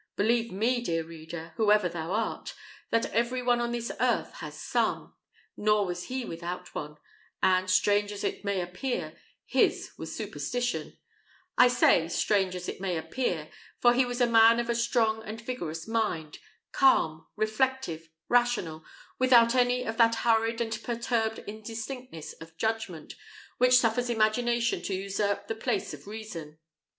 Believe me, dear reader, whoever thou art, that every one on this earth has some; nor was he without one: and, strange as it may appear, his was superstition I say, strange as it may appear, for he was a man of a strong and vigorous mind, calm, reflective, rational, without any of that hurried and perturbed indistinctness of judgment which suffers imagination to usurp the place of reason.